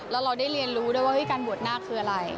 แล้วเราได้เรียนรู้ด้วยว่าการบวชนาคคืออะไร